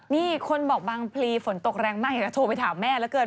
นี่คนบอกบางพรีฝนตกแรงมากอยากจะโทรไปถามแม่ละเกิด